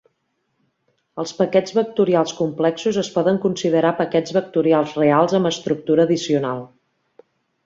Els paquets vectorials complexos es poden considerar paquets vectorials reals amb estructura addicional.